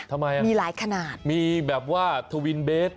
ทำไมอ่ะมีหลายขนาดมีแบบว่าทวินเบส